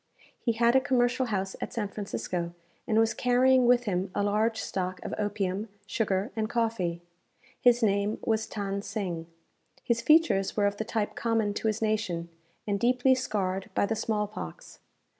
He had a commercial house at San Francisco, and was carrying with him a large stock of opium, sugar, and coffee. His name was Than Sing. His features were of the type common to his nation, and deeply scarred by the small pox.